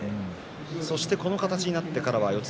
この形になってからは四つ